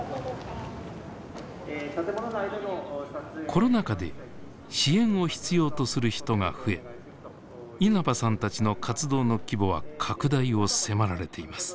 コロナ禍で支援を必要とする人が増え稲葉さんたちの活動の規模は拡大を迫られています。